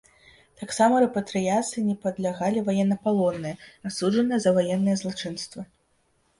Таксама рэпатрыяцыі не падлягалі ваеннапалонныя, асуджаныя за ваенныя злачынствы.